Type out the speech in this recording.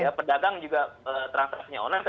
ya pedagang juga transaksinya online